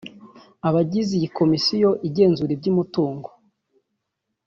Abagize iyi Komisiyo igenzura iby’umutungo